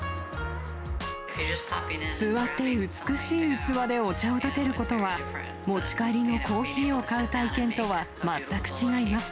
座って美しい器でお茶をたてることは、持ち帰りのコーヒーを買う体験とは全く違います。